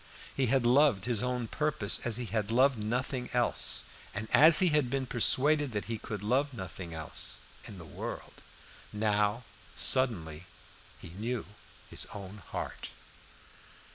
He had loved his own purposes as he had loved nothing else, and as he had been persuaded that he could love nothing else, in the whole world. Now, suddenly, he knew his own heart.